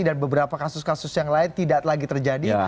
dan beberapa kasus kasus yang lain tidak lagi terjadi